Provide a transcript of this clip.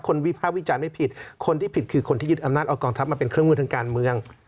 วิภาควิจารณ์ไม่ผิดคนที่ผิดคือคนที่ยึดอำนาจเอากองทัพมาเป็นเครื่องมือทางการเมือง